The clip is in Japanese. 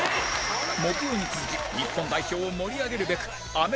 木曜に続き日本代表を盛り上げるべくアメ